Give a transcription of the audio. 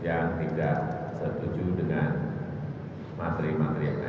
yang tidak setuju dengan materi materi yang ada